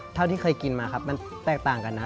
เท่าที่เคยกินมาครับมันแตกต่างกันนะ